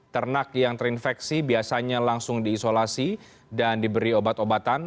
ternak yang terinfeksi biasanya langsung diisolasi dan diberi obat obatan